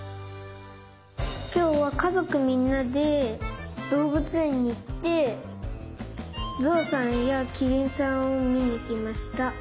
きょうはかぞくみんなでどうぶつえんにいってぞうさんやきりんさんをみにいきました。